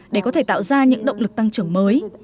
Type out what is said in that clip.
để có thể tạo ra những động lực tăng trưởng mới